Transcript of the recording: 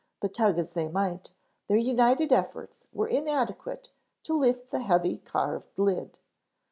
But tug as they might, their united efforts were inadequate to lift the heavy carved lid.